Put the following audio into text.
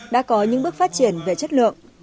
đã có những bước phát triển về chất lượng